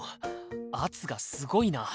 圧がすごいな。